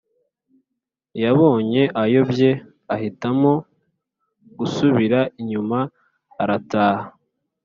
Yabonye ayobye ahitamo gusubira inyuma arataha